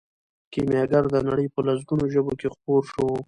کیمیاګر د نړۍ په لسګونو ژبو کې خپور شو.